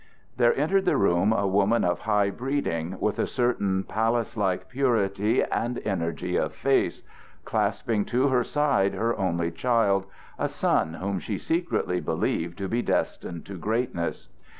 There entered the room a woman of high breeding, with a certain Pallas like purity and energy of face, clasping to her side her only child, a son whom she secretly believed to be destined to greatness.